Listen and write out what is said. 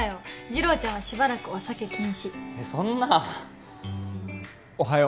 次郎ちゃんはしばらくお酒禁止えっそんなおはよ